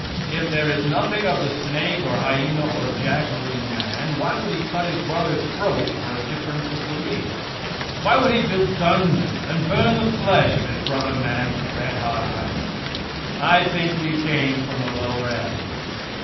If there is nothing of the snake, or hyena, or jackal in man, why would he cut his brother's throat for a difference of belief? Why would he build dungeons and burn the flesh of his brother man with red hot irons? I think we came from the lower animals.